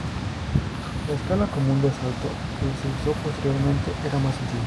La escala común de asalto que se usó posteriormente era mas sencilla.